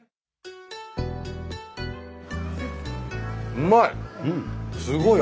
うまい。